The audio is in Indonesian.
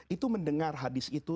itu mendengar hadis itu